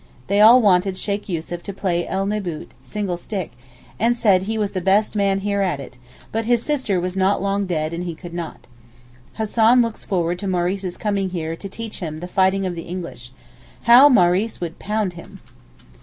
They all wanted Sheykh Yussuf to play el Neboot (single stick) and said he was the best man here at it, but his sister was not long dead and he could not. Hassan looks forward to Maurice's coming here to teach him 'the fighting of the English.' How Maurice would pound him!